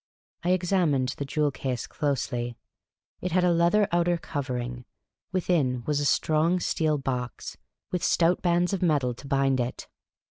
I examined the jewel case closely. It had a leather outer covering ; within was a strong steel box, with stout bands of metal to bind it.